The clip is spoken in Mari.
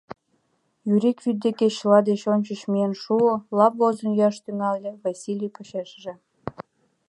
Юрик вӱд деке чыла деч ончыч миен шуо, лап возын йӱаш тӱҥале, Васлий — почешыже.